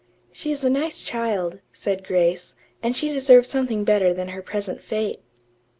"She is a nice child," said Grace, "and she deserves something better than her present fate."